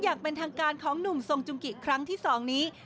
อย่างเป็นทางการของหนุ่มทรงจุงกิครั้งที่๒นี้